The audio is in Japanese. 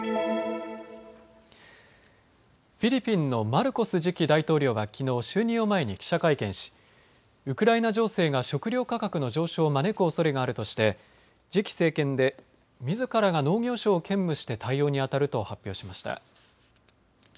フィリピンのマルコス次期大統領は、きのう就任を前に記者会見しウクライナ情勢が食料価格の上昇を招くおそれがあるとして次期政権でみずからが農業相を兼務して対応にあたると発表しました。